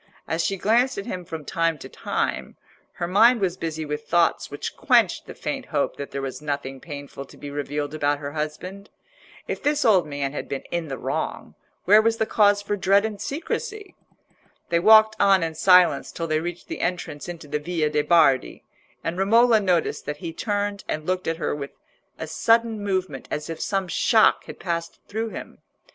As she glanced at him from time to time, her mind was busy with thoughts which quenched the faint hope that there was nothing painful to be revealed about her husband. If this old man had been in the wrong, where was the cause for dread and secrecy! They walked on in silence till they reached the entrance into the Via de' Bardi, and Romola noticed that he turned and looked at her with a sudden movement as if some shock had passed through him.